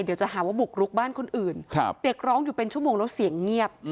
เดี๋ยวจะหาว่าบุกรุกบ้านคนอื่นเด็กร้องอยู่เป็นชั่วโมงแล้วเสียงเงียบ